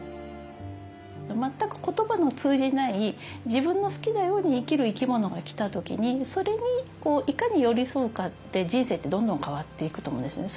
全く言葉の通じない自分の好きなように生きる生き物が来た時にそれにいかに寄り添うかで人生ってどんどん変わっていくと思うんですね。